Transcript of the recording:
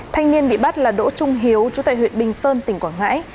thanh niên bị bắt là đỗ trung hiếu trú tại huyện bình sơn tỉnh quảng ngãi